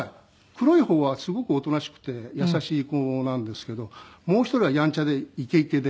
黒い方はすごくおとなしくて優しい子なんですけどもう１人はヤンチャでイケイケで。